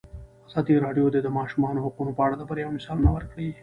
ازادي راډیو د د ماشومانو حقونه په اړه د بریاوو مثالونه ورکړي.